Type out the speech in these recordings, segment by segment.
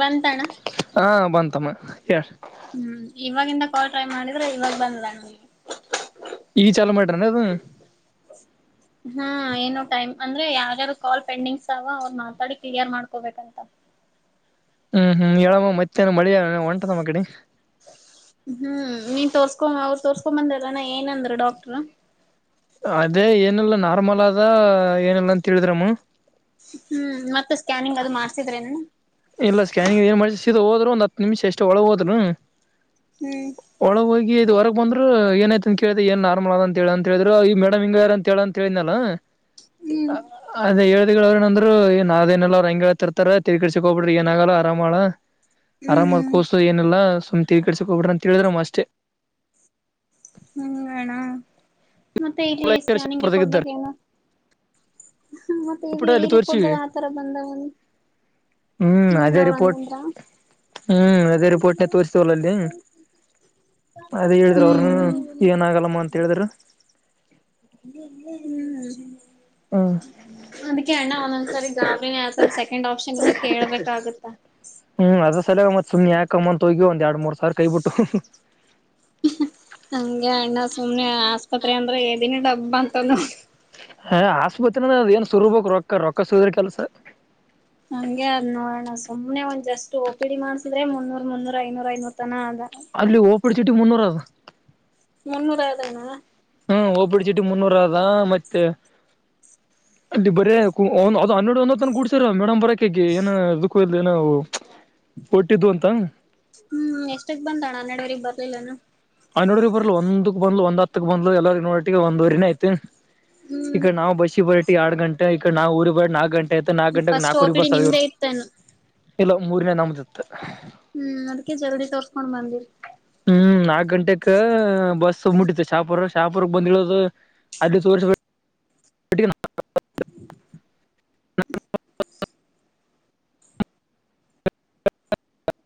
ಬಂತಣ್ಣ. ಹಾ ಬಂತಮ್ಮ ಹೇ. ಹ್ಮ್ ಇವಾಗಿಂದ ಕಾಲ್ ಟ್ರೈ ಮಾಡಿದ್ರೆ ಇವಾಗ ಬಂದದ ನಿಮಿಗೆ. ಈಗ್ ಚಲೋ ಮಾಡ್ರೆನದು. [inaudible] ಹ್ಮ ಏನು ಟೈಮ್ ಅಂದ್ರೆ ಯಾರ್ ಯಾರು ಕಾಲ್ ಪೆಂಡಿಂಗ್ಸವ ಅವ್ರ ಮಾತಾಡಿ ಕ್ಲಿಯರ್ ಮಾಡ್ಕೋಬೇಕಂತ. ಹ್ಮ್ ಹ್ಮ್ ಯಾವವ ಮತ್ತೇನ ಮಳಿಯ ಒಂಟದಮ್ಮ ಗಿಡ. ಹ್ಮ್ ನೀನ್ ತೋರ್ಸ್ಕೊ ಅವ್ರು ತೋರ್ಸ್ಕೊ ಬಂದ್ರಲ್ಲ ಏನಂದ್ರು ಡಾಕ್ಟ್ರ್. ಅದೇ ಏನುಲ್ಲ ನಾರ್ಮಲ್ಲದ ಏನುಲ್ಲಂತ್ತೇಳಿದ್ರಮ್ಮ. ಹ್ಮ್ ಮತ್ತ ಸ್ಕ್ಯಾನಿಂಗ್ ಅದು ಮಾಡ್ಸಿದ್ರೆನಣ. ಇಲ್ಲ ಸ್ಕ್ಯಾನಿಂಗ್ ಏನ್ ಮಾಡ್ಸಿದ ಹೋದ್ರು ಒಂದ್ ಹತ್ ನಿಮ್ಷಷ್ಟೆ ಒಳಗೋದ್ರು. ಹ್ಮ್. ಒಳಗೋಗಿ ಇದು ಹೊರಗ್ ಬಂದ್ರು ಏನಯ್ತ್ ಅಂತ್ ಕೇಳಿದೆ ಏನ್ ನಾರಮಲ್ ಆದಂತೇಳ ಅಂತ್ ಹೇಳಿದ್ರು ಈ ಮೇಡಮಿಂಗಯಾರಂತ್ ಹೇಳಂತ್ ತೆಲ್ನಲ. ಹ್ಮ್ ಅದೇ ಹೇಳ್ದ ಅವ್ರೇನಂದ್ರ ಹೇ ಅದೇನೂಲ್ಲಾ ಅವ್ರ್ ಹಂಗೆಳ್ತಿರ್ತಾರೆ ತಲಿ ಕೆಡಿಸ್ ಕೋಬೇಡ್ರಿ ಏನಾಗಲ ಆರಾಮದಳ ಆರಾಮ ಹ್ಮ್ ಕೋಸು ಏನಿಲ್ಲ ಸುಮ್ ತಾಳಿಕೆಡ್ಸಕೊಬೇಡ್ರಿ ಅಂತ್ ಹೇಳಿದ್ರಮ್ಮ ಅಷ್ಟೆ. ಹ್ಮ್ ಅಣ್ಣ ಮತ್ತೆ ಇಲ್ಲಿ ಸ್ಕ್ಯಾನಿಂಗ್ ರಿಪೋರ್ಟ್ ಬೇಕಲಣ್ಣ. ಮತ್ತೆ ಇದ್ದಾರೆ ಇಗ್ಲಿ ಈ ಅಲ್ಲಿ ತೋರ್ಸಿವಿ ರಿಪೋರ್ಟ್ದಾಗ ಅತರ ಬಂದವನು. ಹ್ಮ್ ಅದೇ ರಿಪೋರ್ಟ್. ಹ್ಮ್ ಅದೇ ರಿಪೋರ್ಟ್ನೆ ತೋರುಸ್ತಿವಲಲ್ಲಿ. ಅದೇ ಹೇಳಿದ್ರು ಅವ್ರ್ನು ಹ್ಮ್ ಏನಾಗಲ್ಲಮ್ಮ ಅಂತ ಹೇಳಿದ್ರು. ಹ್ಮ್ಮ್. ಹ್ಮ್ ಅದಿಕ್ಕೆ ಅಣ್ಣ ಒಂದೊಂದ್ಸರಿ ಗಾಬ್ರಿನೆ ಅತಲ್ ಸೆಕೆಂಡ್ ಆಪ್ಷನಿನು ಕೇಳ್ಬೆಕಾಗುತ್ತಾ. ಹ್ಮ್ ಅದ್ರು ಸಲುವಾಗ್ ಮತ್ ಸುಮ್ನೆ ಯಾಕಮ್ಮ ಅಂತ್ ಹೋಗಿ ಒಂದ್ ಎರಡ್ ಮೂರ್ ಸಾವ್ರ್ ಕೈ ಬಿಟ್ವು. ಹಂಗೆ ಅಣ್ಣ ಸುಮ್ನೆ ಆಸ್ಪತ್ರೆ ಅಂದ್ರೆ ಎದಿನೆ ಡಬ್ಬಂತಣ್ಣ. ಹಾ ಆಸ್ಪತ್ರಿನ ಅದ್ ಏನ್ ಸುರಿಬಕು ರೊಕ್ಕ ರೊಕ್ಕ ಸುರುದ್ರೆ ಕೆಲ್ಸ. ಹಂಗೆ ಅದ್ ನೋಡಣ ಸುಮ್ನೆ ಒಂದ್ ಜಸ್ಟ್ ಓಪಿಡಿ ಮಾಡ್ಸ ಅಂದ್ರೆ ಮುನ್ನೂರ್ ಮುನ್ನೂರ್ ಐನೂರ್ ಐನೂರ್ ತನ ಅದ. ಅಲ್ಲಿ ಓಪಿಡ್ ಚೀಟಿ ಮುನ್ನೂರದ. ಮುನ್ನೂರ್ ಯಾವ್ದಣ್ಣ. ಹ್ಮ್ ಹೋಬಿಡ್ತಿದ್ದು ಮುನ್ನೂರದ ಮತ್ತೆ [inaudible] ಅಲ್ಲಿ ಬರೇ ಕೊ ಹೋನ್ ಅದ್ ಹನ್ನೆರ್ಡ್ ಒಂದತ್ತನ ಕೂಡ್ಸಿರದ್ ಮೇಡಮ್ ಬರೋಕಗೆ ಏನ ಇದುಕ್ ಹೋಗಿದ್ಲೇನ ಅವು ಕೊಟ್ಟಿದ್ದು ಅಂತ ಹ್ಮ್ ಎಷ್ಟಕ್ ಬಂದಾಳ್ ಹನ್ನೆರ್ಡುವರಿಗ್ ಬರ್ಲಿಲ್ಲೇನು? ಹನ್ನೆರ್ಡುವರಿಗ್ ಬರ್ಲಿಲ ಒಂದುಕ್ ಬಂದ್ಲು ಒಂದ್ ಹತ್ತುಕ್ ಬಂದ್ಲು ಎಲ್ಲರಿ ನೋಡೊಟ್ಟಿಗೆ ಒಂದುವರಿನೇ ಆಯ್ತು. ಈಕಡಿ ಹ್ಮ್ ನಾವ್ ಬಸ್ಸಿಗ್ ಬರೊಟ್ಟಿಗ್ ಎರ್ಡ್ ಗಂಟೆ ಈಕಡಿ ನಾವ್ ಊರಿಗ್ ಬರಟ್ ನಾಕ್ ಗಂಟ್ ಟೆ ಆತು ನಾಕ್ ಗಂಟೆಗ್ ಫಸ್ಟ್ ಓ ನಾಕುವರಿಗ್ ಪಿ ಡಿ ಬಸ್ ನಿಮ್ದೇ ಆಗಿರುತ್ ಇತ್ತೇನು ಇಲ್ಲ ಮೂರ್ನೇದ್ ನಮ್ದಿತ್ತು. ಹ್ಮ್ ಅದ್ಕೆ ಜಲ್ದಿ ತೋರ್ಸ್ಕೊಂಡ್ ಬಂದಿರ ಹ್ಮ್ ನಾಕ್ ಗಂಟೆೆಕಾ ಬಸ್ ಮುಟ್ಟಿತ್ತೆ ಶಾಪುರ್. ಶಾಪೂರುಗ್ ಬಂದ್ ಇಳಿದ ಅಲ್ಲಿ ತೋರಿಸ್ಬಿಟ್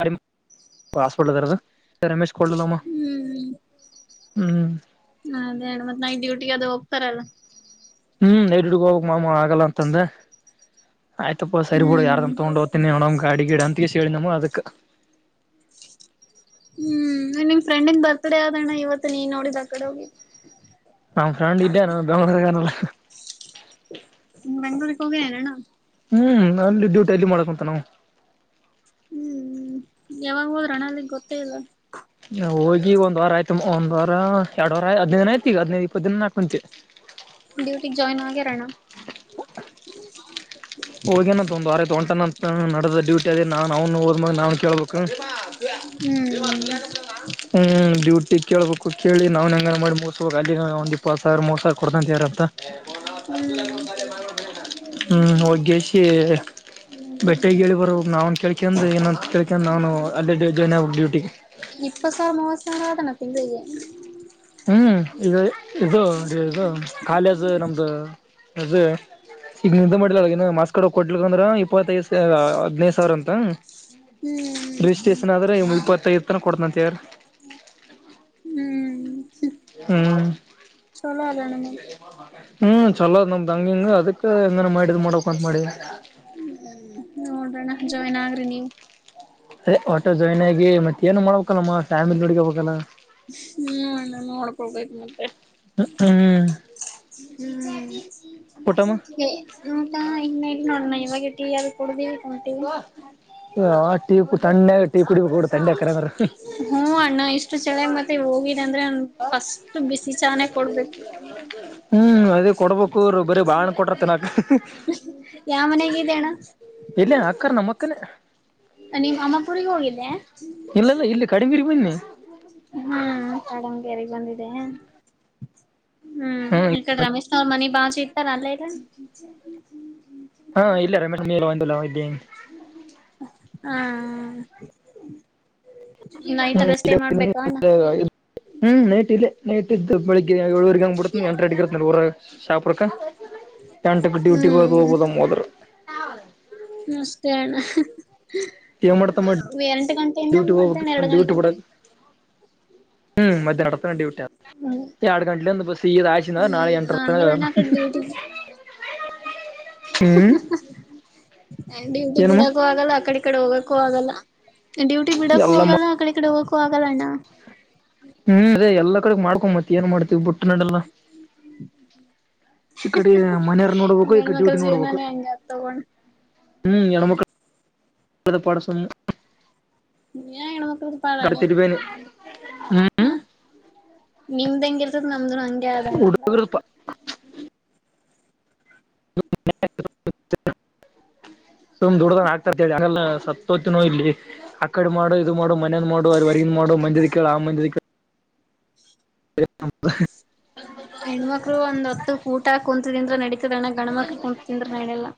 [unintelligible] ಪಾಸ್ವರ್ಡ್ ಅದರದ ರಮೇಶ್ ಕೊಡ್ಲಿಲಮ್ಮ ಹ್ಮ್ ಹ್ಮ್. ಅದೇಳು ಮತ್ ನೈಟ್ ಡ್ಯೂಟಿಗ್ ಅದು ಹೋಗ್ತಾರಲ್ಲ. ಹ್ಮ್ [unintelligible] ಹೋಗ್ಬೇಕ್ ಮಾಮ ಆಗಲ್ಲ ಅಂತಂದೆ. ಆಯ್ತಪ್ಪ ಸರಿ ಬಿಡು ಹ್ಮ್ ಯಾರನ್ ತೊಗೊಂಡ್ ಹೊತೀನ್ ಗಾಡಿ ಗೀಡ ಅಂತ್ ಈಶ್ ಹೇಳನಮು ಅದುಕ್ಕ. ಹ್ಮ್ ನಿನ್ ಫ್ರೆಂಡಿನ್ ಬರ್ತ್ಡೇ ಆದಣ್ಣ ಇವತ್ತು ನೀ ನೋಡಿದ್ ಆ ಕಡೆ ಹೋಗಿ ನಮ್ ಫ್ರಂಡ್ ಇದ್ದೇ ನ ಬೆಂಗ್ಳೂರ್ನಾಗಿದಾನಲ್ಲ. ಬೆಂಗ್ಳೂರಿಗ್ ಹೋಗಿಯಾರಣ್ಣ? ಹ್ಮ್ ಅಲ್ಲಿ ಡ್ಯೂಟಿ ಅಲ್ಲಿ ಮಾಡಕೊಂತನವ. ಹ್ಮ್ ಹ್ಮ್ ಯಾವಾಗ್ ಹೋದ್ರಣ್ಣ ಅಲ್ಲಿಗ್ ಗೊತ್ತೇ ಇಲ್ಲ. ಆ ಹೋಗಿ ಒಂದ್ ವಾರ ಆಯ್ತಮ್ಮ. ಒಂದ್ ವಾರ ಎರ್ಡ್ ವಾರ ಹದಿನೈದು ದಿನ ಆಯ್ತ್ ಈಗ ಹದಿನೈದ್ ಇಪ್ಪತ್ತು ದಿನ ಆಕುಂತಿ. ಡ್ಯೂಟಿಗ್ ಜಾಯಿನ್ ಆಗ್ಯಾರಣ್ಣ? ಹೋಗ್ಯಾನ್ ಅಂತ ಒಂದ್ ವಾರ ತಗೊಂತಾನಂತ ನಾಡಿದ್ದ ಡ್ಯೂಟಿ ಅದೆ ನಾನ್ ಅವ್ನು ಹೋದ್ ಮೇಲ್ ನಾನ್ ಕೇಳ್ಬೇಕು. ಹ್ಮ್ [unintelligible] ಹ್ಮ್ ಡ್ಯೂಟಿಗ್ ಕೇಳಬೇಕು ಕೇಳಿ ನಾವ್ನೆಂಗಾರ ಮಾಡಿ ಮುಗಿಸ್ಬೇಕ್ ಅಲ್ಲಿ ಒಂದ್ ಇಪ್ಪತ್ ಸಾವಿರ ಮೂವತ್ ಸಾವರ ಕೊಡ್ತಂತ ಯಾರಂತ. ಹ್ಮ್ ಹ್ಮ್ ಹೋಗ್ ಏ ಸಿ ಬೆಟ್ಟೆಗ್ ಹೇಳಿ ಬರಬೇಕ್ ನಾವುನ್ ಕೇಳ್ ಕ್ಯಂಡ್ ಏನೂಂತ್ ಕೇಳ್ ಕ್ಯಂಡ್ ನಾನು ಅಲ್ಲಿಗೆ ಜಾಯಿನ್ ಆಗ್ಬೇಕ್ ಡ್ಯೂಟಿಗೆ. ಇಪ್ಪತ್ ಸಾವಿರ ಮೂವತ್ ಸಾವ್ರ ಅದೇನ ತಿಂಗಳಿಗೆ? ಹ್ಮ್ ಇದು ಇದು ಇದು ಕಾಲೇಜ್ ನಮ್ದು ಇದು ಈಗ ನಿದ್ದೆ ಮಾಡ್ಲಿಲ್ಲ ಏನನ ಮಾರ್ಕ್ಸ್ ಕಾರ್ಡ್ ಕೊಡ್ಲಿಲ್ಲ ಅಂದ್ರ ಇಪ್ಪತ್ತೈದು ಸಾ ಹದಿನೈದು ಸಾವಿರ ಅಂತ ಹ್ಮ್ ರಿಜಿಸ್ಟ್ರೇಷನ್ ಆದ್ರೆ ಇಪ್ಪತ್ತೈದು ತನ ಕೊಡ್ತನಂತ ಯಾರ್ ಹ್ಮ್ ಹ್ಮ್ ಚಲೋ ಅಲ್ಲಣ್ಣ ಮತ್ ಹ್ಮ್ ಚಲೋದ್ ನಮ್ದ್ ಹಂಗ್ ಹಿಂಗ ಅದುಕ್ಕೆ ಹೆಂಗನ ಮಾಡಿ ಇದ್ ಮಾಡ್ಬೇಕೊಂತ ಮಾಡಿದಾರೆ. ಹ್ಮ್ ನೋಡ್ರಣ ಜಾಯಿನ್ ಆಗ್ರಿ ನೀವು. ಒಟ್ಟ ಜಾಯಿನ್ ಆಗಿ ಮತ್ ಏನೋ ಮಾಡಬೇಕಲ್ಲಮ್ಮ ಫ್ಯಾಮಿಲಿ ನೋಡ್ಕೋಬೇಕಲ್ಲ. ಹ್ಮ್ ಅಣ್ಣ ನೋಡ್ಕೊಬೇಕ್ ಮತ್ತೆ. ಹ್ಮ್ ಹ್ಮ್ ಊಟಮ್ಮ ಏ ಊಟ ಇನ್ನ ಇಲ್ ನೋಡಣ್ಣ ಈವಾಗೆ ಟೀ ಎಲ್ ಕುಡಿದಿ. ಓ ಟೀ [unintelligible] ತಂಡ್ಯಾಗ ಕರೆಂದ್ರ ಹೂಂ ಅಣ್ಣ ಇಷ್ಟು ಚಳಗ್ ಮತ್ತೆ ಹೋಗಿದ್ ಅಂದ್ರೆ ಅವ್ನ್ ಫಸ್ಟ್ ಬಿಸಿ ಚಾನೆ ಕೊಡ್ಬೇಕು. ಹ್ಮ್ ಅದೇ ಕೊಡ್ಬೇಕು ಇವ್ರು ಬರೀ ಬಾಳೆಣ್ಣ ಕೊಟ್ರ ತಿನ್ನಾಕ. ಯಾವ್ ಮನೆಗಿದೆ ಅಣ್ಣ? ಎಲ್ಲೇ ಆಕ್ಕರ್ ನಮ್ಮಕ್ಕನೆ. ನೀವು ಅಮ್ಮಾಪುರಿಗೆ ಹೋಗಿದ್ದೆ? ಇಲ್ಲಲ್ಲ ಇಲ್ಲಿ ಕಡಿಮಗಿರಿ ಬನ್ನಿ ಹ್ಮ್ ಕಾಡಂಗೇರಿಗೆ ಬಂದಿದೆ ಹ್ಮ್ ಈಕಡೆ ರಮೇಶ್ನ ಅವ್ರು ಮನಿ ಬಾಳ್ಸಿಗ್ತಾರ ಅಲ್ಲೇಯಾರೇನ್. ಹಾ ಇಲ್ಲ ರಮೆಶ ಮನೆ ನೀ ಇದ್ದ. [unintelligible] ಹಾಂ ಹ್ಮ. [unintelligible] ಹ್ಮ್ ನೈಟ್ ಇಲ್ಲೆ ನೈಟ್ ಇದ್ದ ಬೆಳಿಗ್ಗೆ ಏಳೂವರ್ಗಿ ಹಂಗ್ ಬಿಡ್ತಿನಿ ಎಂಟ್ಗಂಟಿಗಿರ್ತಿನಿ ಊರಾಗ. ಶಾಪೂರ್ಕ ಎಂಟಕ್ಕ ಡ್ಯೂಟಿ ಹೋದ್ ಹೋಬೋದಮ್ಮ್ ಹೋದರ. ನಮಸ್ತೆ ಅಣ್ಣಾ ಹ್ ಹ್ಹ ಏನ್ ಮಾಡ್ತಮ್ಮ ಹ್ಹ್ ಎಂಟಗಂಟೆ ಟೆಇಂದ ಡ್ಯೂಟಿ ಮದ್ಯಾನ ಹೋಗ್ಬೇಕ ಎರಡ ಡ್ಯೂಟಿ ಗಂಟೆನ. ಬಿಡಕ್ ಹ್ಮ್ ಮಧ್ಯಾನಟತನ ಡ್ಯೂಟಿ ಆದ ಹ್ಮ್ ಎರಡು ಗಂಟಲಿಂದ ಬಸ್ ಸೀದಹಾಸಿನಂದ್ರ ನಾಳೆ ಹ್ಮ್ ಎಂ [unintelligible] ಹಂಗಲ್ಲಣ್ಣ ಆ ಹ್ಹ ಕಡೆ ಹ್ಹ್. ಹ್ಹ ಹ್ಹ ಹ್ಹ ಡ್ಯೂಟಿ ಏನಮ್ಮ ಬಿಡಕೂ ಆಗಲ್ಲ ಆ ಕಡೆ ಈ ಕಡೆ ಹೋಗಕೂ ಆಗಲ್ಲ. ಡ್ಯೂಟಿ ಬಿಡಕು ಎಲ್ಲ ಆಗಲ್ಲ ಆ ಕಡೆ ಈ ಕಡೆ ಹೋಗಕ್ಕು ಆಗಲ್ಲ ಅಣ್ಣಾ. ಹ್ಮ್ ಅದೇ ಎಲ್ಲ ಕಡೆ ಮಾಡ್ಕೊ ಮತ್ ಏನ್ ಮಾಡತಿ ಬುಟ್ಟ ನಡೆಲ್ಲ. ಈ ಕಡೆ ಮನೆಯರು ನೋಡ್ಬೇಕು ಈಗ ಈ ಕಡೆ ಹೆಣ್ಮಕ್ಳ ಡ್ಯೂಟಿ ನೋಡ್ಬೇಕು. ಜೀವನಾನೇ ಹಂಗ ಆತ್ ತಗೋಣ ಹ್ಮ್ ಗನಮಕ್ಳ [unintelligible] ಪಡಸಮ. ಯಾ ಹೆಣ್ಮಳ್ಳಕ್ಕದು ಗನ ತೆಲಿಬ್ಯಾನಿ. ಹ್ಮ ನಿಮ್ದ್ ಹೆಂಗ ಇರ್ತದ ನಮ್ದುನು ಹಂಗೆ ಆದಾ ಅಣ್ಣಾ. ಹುಡುಗರ [inaudible] ಸುಮ್ ದುಡುದನ ಹಾಕ್ತಿರ್ತಿ ಹೇಳಿಲ್ಲ ಸತ್ತೋತ್ತಿನೋ ಇಲ್ಲಿ. ಆ ಕಡೆದ ಮಾಡು ಇದು ಮಾಡು ಮನೇದ್ ಮಾಡು ಅವ್ರ ಹೊರಗಿಂದ್ ಮಾಡು ಮಂದಿದ ಕೇಳ ಆ ಮಂದಿದ ಕೇಳ್ [unintelligible] ಹೆಣ್ಮಕ್ಳು ಒಂದ್ ಹೊತ್ತುಕ್ ಊಟ ಕುಂತಿಂದ್ರ ನಡೀತದ ಅಣ್ಣ ಗಣಮಕ್ಳ ಕುಂತಿಂದ್ರ ನಡಿಯಲ್ಲ.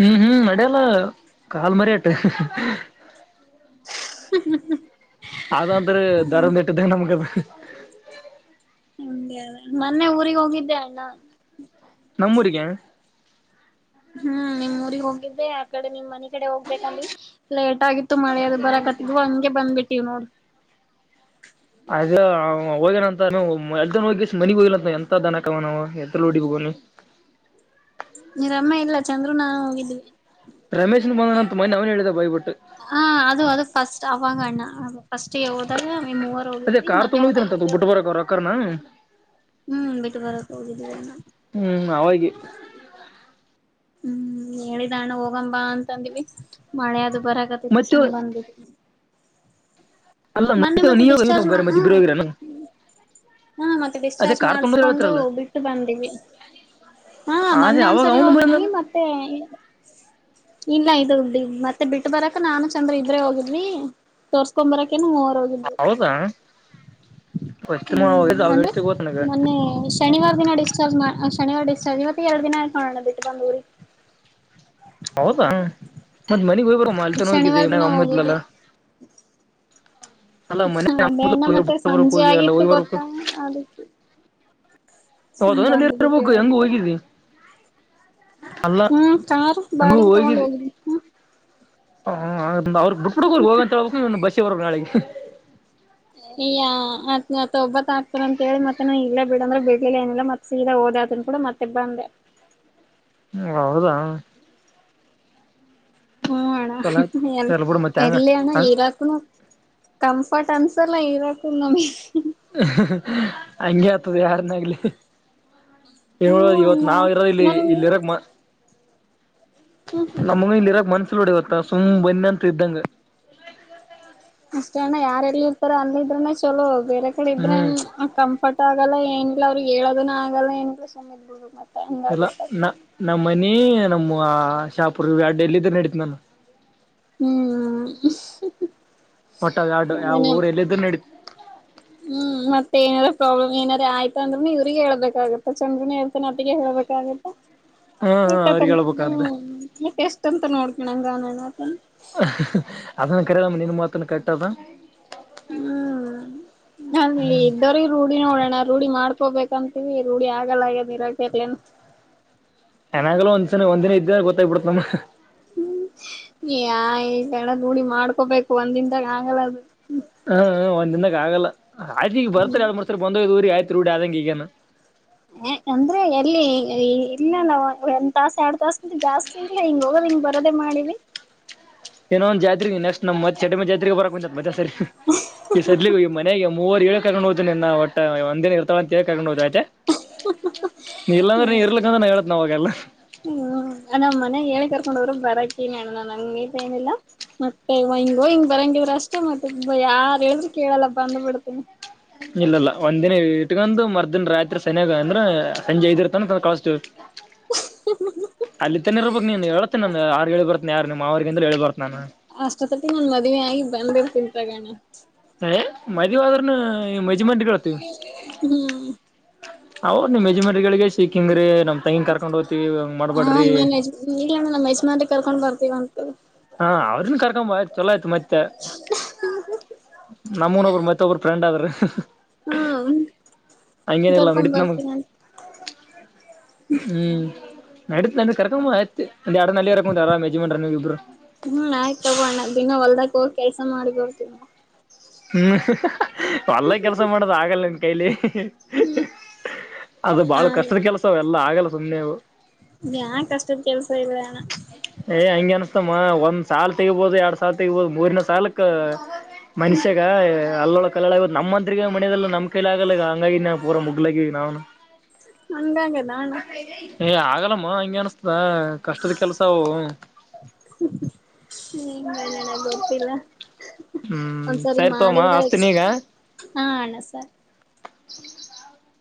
ಹ್ಮ್ ಹ್ಮ್ ನಡ್ಯಲ್ಲ ಕಾಲ್ ಮರೇಟ ಹ್ಹ ಹ್ಹ ಹ್ಹ. ಹ್ಮ್ ಹ್ಹ್ ಹ್ಹ್ ಹ್ಹ್ ಆದಂದ್ರ ಧರ್ಮದಹೇಟಿದ್ದಂಗ ನಮ್ಗದ. ಹ್ಮ್ ಮೊನ್ನೆ ಊರಿಗೆ ಹೋಗಿದ್ದೆ ಅಣ್ಣ. ನಮ್ಮೂರಿಗ್ಯಾ. ಹ್ಮ್ ನಿಮ್ ಊರಿಗೆ ಹೋಗಿದ್ದೆ. ಈ ಕಡೆ ನಿಮ್ ಮನಿ ಕಡೆ ಹೋಗ್ಬೇಕಂದ್ವಿ ಲೇಟ್ ಆಗಿತ್ತು ಮಳೆ ಅದು ಬರಕತ್ತಿದ್ವ ಹಂಗೆ ಬಂದ್ ಬಿಟ್ಟಿವ್ ನೋಡ. ಅದ ಹೋಗೇಣಂತವ ಅಲ್ತನ ಹೋಗ್ಕೇಶಿಂದ ಮನಿಗ್ ಹೋಗಿಲ್ಲಂತ ಎಂತ ದನಕಾಯವದನವ ಎತರ್ಲೆ ಹೋಡಿಬೇಕ್ ಅವ್ನಿಗೆ. ಇವ್ರಮ್ಮ ಇಲ್ಲ ಚಂದ್ರು ನಾ ಹೋಗಿದ್ವಿ. ರಮೇಶನು ಬಂದಾನಂತ ಮನ್ನೆ ಅವ್ನೆ ಹೇಳಿದ ಬಾಯ್ಬಿಟ್ಟು. ಹಾಂ ಅದು ಅದು ಫಸ್ಟ್ ಅವಾಗಣ್ಣ ಅದು. ಫಸ್ಟ್ ಗೆ ಹೋದಾಗ ಈ ಮೂವರು ಹೋಗಿದ್ವಿ ಮೊನ್ನೆ ಹೋದಾಗ ಇಬ್ರೇ ಹೋಗಿದ್ವಿ. ಕರ್ನಾ. ಹ್ಮ್ ಬಿಟ್ಟು ಬರಕ್ ಹೋಗಿದ್ದೀವಿ ಅಣ್ಣ. ಹ್ಮ್ ಅವಾಗೆ. ಹ್ಮ್ ಹೇಳಿದ ಅಣ್ಣ ಹೋಗಂಬಾ ಅಂತಂದಿವಿ ಮಳೆ ಅದು ಬರಕತ್ತಿತ್ತು ಮತ್ತೆ ಸುಮ್ ಬಂದುಬಿಟ್ಟಿವಿ. ಅಲ್ಲ ಮೊನ್ನೆ ಮತ್ತೆ ನೀ ಹೋಗ ನೀ ಡಿಸ್ಚಾರ್ಜ್ ಬೇರೆ ಮಾಡ್ ಮತ್ತೆ ಹ್ಮ್. ಇಬ್ರು ಹೋಗಿರನ ಹ್ಮ್ ಮತ್ತೆ ಅದೇ ಡಿಸ್ಚಾರ್ಜ್ ಕಾರ್ ತೊಗೊಂಡ್ ಮಾಡ್ಸ್ಕೊಂಡು ಹೇಳ್ತಿರಲ್ಲ ಬಿಟ್ಟು ಬಂದೀವಿ. ಹಾಂ ಅದೇ ಮೊನ್ನೆ ಅವಾಗ ಒಂದ್ಸರಿ ಅವನು ಹೋಗಿದ್ವಿ ಬಂದಲ್ಲ ಮತ್ತೆ. ಇಲ್ಲ ಇದು ಡಿ ಮತ್ತೆ ಬಿಟ್ಟ ಬರಕ ನಾನು ಚಂದ್ರ ಇಬ್ರೆ ಹೋಗಿದ್ವಿ ತೋರಸ್ಕೊಂಬರಾಕ ಕೆನು ಮೂವರು ಹೋಗಿದ್ವಿ. ಹೌದಾ ಫಸ್ಟ್ ಹ್ಮ್ ಅಂದ್ರೆ ಎಷ್ಟ ಗೊತ್ತ ನನಗ ಮೊನ್ನೆ ಶನಿವಾರ ದಿನ ಡಿಸ್ಚಾರ್ಜ್ ಶನಿವಾರ ಡಿಸ್ಚಾರ್ಜ್ ಇವತ್ಗಿ ಎರಡ ದಿನಾ ಆಯಿತಾ ನೋಡಣ್ಣಾ ಬಿಟ್ಟು ಬಂದ ಊರಿಗೆ. ಹೌದಾ ಮತ್ತ ಮನೆಗ್ ಹೋಗಿಬರಮ್ಮ ಅಲ್ಲಿತನ ಹೋಗಿದ್ದೆ ಶನಿವಾರ ದಿನ ಮನ್ಯಾಗ ಅಮ್ಮ ಹೋಗಿದ್ವಿ ಇದ್ಲಲ್ಲಾ ಹ ಮನ್ಯಾಗ ಅದೇ ಅಣ್ಣ ಮತ್ತೆ ಬಿಟ್ಟು ಬರಕ್ ಸಂಜೆ ಹೋಗಿ ಅಲ್ಲ ಆಗಿತ್ತು ಹೋಗಿ ಬರ್ಬೇಕು ಗೊತ್ತಾ ಅದಕ್ಕೆ ಸುಮ್ ಹೌದಾ ಬಂದ್ ರೆಡಿಯಾಗಿ ಬರಬೇಕು ಬಿಟ್ಟಿವ ಹೆಂಗ್ ಅದಕ್ಕೆ ಹೋಗಿದೀ? ಹ್ಮ್ ಕಾರ್ ಹೆಂಗೂ ಬಾಡಿಗೆ ತಗೊಂಡ ಹೋಗಿದ್ನಿ. ಹ ಅವ್ರ ಬಿಟ್ಟ ಬಿಡ್ಬೇಕು ಹೋಗಅಂತ ಹೇಳ್ಬಕು ನೀ ಬಸ್ಸಿಗಿ ಬರಬೇಕು ನಾಳಿಗೆ. ಈಯ ಮತ್ತ ಒಬ್ಬತ್ ಆಗ್ತಾರಂತ ಹೇಳಿ ಮತ್ತೆ ನಾ ಇಲ್ಲೇ ಬಿಡಂದ್ರೆ ಬಿಡ್ಲಿಲ್ಲ ಏನಿಲ್ಲ ಮತ್ತೆ ಸೀದಾ ಹೋದ್ರಾದ್ರು ಕೂಡಾ ಕೂಡ ಮತ್ತೆ ಬಂದೇ. ಹೂ ಹೌದಾ ಹ್ಮ ಅಣ್ಣ ಚಲೋ ಎಲ್ಲ ಬಿಡು ಮತ್ತೆ ಎ ಹಂಗ ಎಲ್ಲಿ ಅಣ್ಣ ಇರಾಕ್ ಕಂಫರ್ಟ್ ಅನ್ಸಲ್ಲಾ ಇರಾಕ್ ನಮಗೆ. ಹಂಗೆ ಆತದ ಯಾರನ್ನಾಗಲಿ. ಹೇಳ ಹ್ಮ ಇವತ್ ಅಣ್ಣ ನಾವ್ ಇರ ಇಲ್ಲಿ ನನ್ಗೆ ಇಲ್ಲಿರಕ್ ಮ ಹ್ಮ ನಮಗೂ ಇಲ್ಲಿ ಇರಕ್ ಮನಸ್ಸಿಲ್ಲ ನೋಡ ಇವತ್ತ ಸುಮ್ಮ ಬಂದನೆಂತ ಇದ್ದಂಗ. ಅಷ್ಟೇ ಅಣ್ಣ ಯಾರ್ ಎಲ್ಲಿರುತ್ತಾರೊ ಅಲ್ಲಿದ್ರೆನೆ ಚಲೋ ಬೇರೆ ಕಡೆ ಇದ್ರೆ ಹ್ಮ್ ಹ ಕಂಫರ್ಟ್ ಆಗಲ್ಲ ಏನಿಲ್ಲ ಅವ್ರಿಗೆ ಹೇಳೋದನ್ನ ಆಗಲ್ಲ ಏನಿಲ್ಲಾ ಸುಮ್ಮ ಇದ್ದ ಬಿಡಬೇಕು ಮತ್ತೆ. ಇಲ್ಲ ಹಂಗಾಗಿರ್ತ ನ ನಮ್ಮ ಮನಿ ನಮ್ಮ ಶಾಪುರ್ ಇವುಯಾಡ್ ಎಲ್ಲಿದ್ದರೂ ನಡೀತದ ನನಗ ಹ್ಮ್. ವಟ್ಟ ಅವ ಯಾಡ್ ಆ ಅದೇ ಊರ್ ಎಲ್ಲಿದ್ರ ನಡಿಯತ್ತ. ಹ್ಮ್ ಮತ್ತ ಏನಾರ ಪ್ರಾಬ್ಲಮ್ ಏನಾರ ಆಯ್ತ ಅಂದ್ರು ಇವ್ರಿಗೆ ಹೇಳ್ಬೇಕಾಗತ್ತ ಚಂತನ ಹೇಳ್ತಾನೆ ಅತಗೆ ಹೇಳ್ಬೇಕಾಗತ್ತ. ಹ್ಮ್ ಹ್ಮ್ ಅವ್ರಿಗೆ ಹೇಳ್ಬೇಕದ್ದ ಮತ್ತೆ ಎಷ್ಟಂತ ನೋಡ್ಕಣಂಗನ ಆಗತ್ತ ಅದನ್ನ ಕರಿಯಲ್ಲಮ್ಮ ನಿನ್ ಮಾತನ್ ಕರೆಟ್ಟ ಅದ. ಹ್ಮ್. ಅಲ್ಲಿ ಇದ್ದೋರಿಗೆ ರೂಢಿ ನೋಡೋಣ ರೂಢಿ ಮಾಡ್ಕೋಬೇಕಂತೀವಿ ರೂಢಿ ಆಗಲ್ಲ ಆಗ್ಯದ್ ಇರಕಲ್ಲ ಏನ್ ಚನ್ನಗಲ್ಲ ಒಂದ್ಸಲ ಒಂದಿನ ಇದ್ದ ಗೊತ್ತಾಗಿ ಬಿಡುತ್ತದ ನಮ್ಮ ಹ್ಮ ಯಾ ಗಣ ರೂಡಿ ಮಾಡ್ಕೋಬೇಕು ಒಂದ ದಿನದಾಗ ಆಗಲ್ಲ ಅದು ಹ್ಮ್ ಒಂದ ದಿನದ ಆಗಲ್ಲ ಆಯ್ತ ಈಗ ಬರ್ತಾರ ಎರಡ್ ಮುರ್ಸಾರಿ ಬಂದೋಗ್ ಊರಿ ಆಯ್ತ್ ರೂಡಿ ಆದಂಗೆ ಈಗೇನು. ಹ ಅಂದ್ರೆ ಎಲ್ಲಿ ಇಲ್ಲ ಒಂದ್ ತಾಸ ಎರಡ್ ತಾಸ್ಕಿಂತ ಜಾಸ್ತಿ ಇಲ್ಲ ಹಿಂಗ ಹೋಗದೆ ಹಿಂಗ ಬರೋದೇ ಮಾಡಿದಿ. ಇನ್ನೊಂದ್ ಜಾತ್ರೆಗಿ ನೆಸ್ಟ್ ಚಟ್ಟೆಮ್ಮಾ ಜಾತ್ರಿಗಿ ಬರಕಂತೆಂತ ಮತ್ಯ ಸೇರಿ ಈ ಸದ್ಲಿಗಿ ಮನೆಗೆ ಮೂವರು ಏಳಕೆ ಕರಕೊಂಡ ಹೊತಿನಿ ಅಂದಾವ ವಟ್ಟ ಒಂದಿನ ಇರ್ತಾಳ ಅಂತೆಳಿ ಕರಕೊಂಡ ಹೊತ್ತಿನಿ ಆಯ್ತಾ. ನೀ ಇಲ್ಲಾಂದ್ರೆ ನೀ ಇರ್ಲಕ್ಕಂದ್ರ ನಾ ಹೇಳತೇನಿ ಆವಾಗೆಲ್ಲ ಹ್ ನಮ್ಮ ಮನೆಗ್ ಹೇಳಿ ಕರ್ಕೊಂಡ ಹೋಗ್ರು ಬರಕಿನಿನಣ್ಣ ನಂಗ ನನ್ನಿಂದ ಏನಿಲ್ಲಾ ಮತ್ತೆ ಇವ ಹಿಂಗ ಹೋಗಿ ಹಿಂಗ ಬರಂಗಿದ್ರ ಅಷ್ಟೇ ಮತ್ತೆ ಯಾರ ಹೇಳಿದ್ರರು ಕೇಳಲ್ಲ ಬಂದ್ ಬಿಡ್ತೇನಿ. ಇಲ್ಲ ಇಲ್ಲ ಒಂದ್ ದಿನ ಇಟ್ಕಂದು ಮರದ್ದಿನ್ ರಾತ್ರಿ ಸನೆದ ಅಂದ್ರ ಸಂಜೆ ಐದಿರ್ತಾನ ಸ್ವಲ್ ಕಳಸ್ತೀವಿ. ಅಲ್ಲಿತೇನ ಇರಬಕ್ ನೀನ್ ಹೇಳ್ತೇನ ನಾ ಹೇಳಿ ಬರ್ತೀನಿ ಯಾರ ನಿಮ್ ಮಾವರಿಗ ಅಂದ್ರ ಹೇಳಿ ಬರ್ತೇನ ನಾನ ಅಷ್ಟೊತ್ತಟ್ಟಿಗೆ ನನ್ನ ಮದ್ವಿ ಆಗಿ ಗಂಡ ಬಂದಿರ್ [unintelligible] ಆಯ ಮದ್ವಿ ಆದ್ರೂನು [unintelligible] ಹ್ಮ್. ಅವ್ ನಿಮ್ ಯಜಮಾನ್ರುಗಳಿಗೆ ಸಿಕ್ಕಿಂಗ್ರೀ ನಮ್ ತಂಗಿನ್ ಕರ್ಕೊಂಡ್ ಹೋತೀವಿ ಹಂಗ ಮಾಡ್ಬಾಡ್ರಿ ನೀವೇನಾ ನಮ್ಮ ಯಜಮಾನ್ರಿಗೆ ಕರ್ಕೊಂಡ ಬರ್ತೀವ ಅಂತ ಹಾ ಅವ್ರನ್ ಕರ್ಕೊ ಆಯ್ತು ಚೊಲೋ ಆಯ್ತು ಮತ್ತೆ ನಮ್ಮನು ಓಬ್ರು ಮತ್ತೆ ಮತ್ತ ಒಬ್ಬರು ಫ್ರೆಂಡ್ ಆದ್ರೆ ಹ್ಮ್ ಕರ್ಕೊ ನಡೀತ್ ನಮಗ್ ಬರ್ತೀನ ಆಯ್ ಹ್ಮ್ ನಡತ್ ನಡ ಕರ್ಕೊ ಆಯತ್ ಒಂದ ಎಡ ನಲ್ಲಿರರಾಮ ಯಜಮನ್ರ ನೀವ್ ಇಬ್ರು. ಹ್ಮ್ ಆಯಕ್ ತಗೋಣ ದಿನ ಹೊಲ್ದಕ್ ಹೋಗಿ ಕೆಲ್ಸ ಮಾಡಿ ಬರ್ತು ಅಣ್ಣಾ. ಹ್ಮ್ ಹೊಲ್ಲ ಕೆಲ್ಸ ಮಾಡೋದು ಆಗಲ್ಲ ನಿನ್ನ ಕೈಲಿ ಹ್ಮ್. ಅದು ಬಾಳ ಕಷ್ಟದ ಕೆಲಸ ಅವ ಎಲ್ಲ ಆಗಲ್ಲ ಸುಮ್ಮ್ನೆವು. ಯಾನ್ ಕಷ್ಟದ ಕೆಲ್ಸ ಇಲ್ವಣ. ಏ್ ಹಂಗೆ ಅನ್ಸ್ತಮ್ಮ ಒಂದ್ ಸಾಲ ತೆಗಬೋದು ಎರಡ್ ಸಾಲ ತೆಗಬಹದು ಮೂರಿನ ಸಾಲಕ್ ಮನ್ಷ್ಯಾಗ ಅಲ್ಲೊಳ ಕಲೋಳ ನಮ್ಮಂತ್ರಿಗ ಮನಲ್ಲ ನಮ್ಮ ಕೈಲಿ ಆಗಲ್ಲಗ ಹಂಗಾಗಿ ನ ಪೂರ ಮುಗಗ್ಲ ನಾನು. [inaudible] ಹಂಗಾಗದ ಅಣ್ಣ ಏ ಆಗಲ್ಲಮ್ಮ ಹಂಗೆ ಅನಸ್ತದ ಕಷ್ಟದ ಕೆಲ್ಸ ಅವು ಹೆಂಗ ಅದ ಅಣ್ಣಾ ಗೊತ್ತಿಲ್ಲ. ಹ್ಮ್ ಒಂದ್ಸರಿ ಸರಿ ತೋಮ್ಮ ಮಾಡಿದ್ರೆ ಎಕ್ಸ್ ಅಸ್ತನ ಈಗ. ಹಾ ಅಣ್ಣಾ ಸರ್. [inaudible]